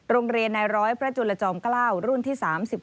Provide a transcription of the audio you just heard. โรงเรียนนายร้อยพระจุลจอมกล้าวรุ่นที่๓๖